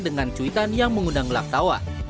dengan cuitan yang mengundang gelak tawa